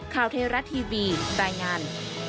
ค่าวเทราะห์ทีวีดายงาน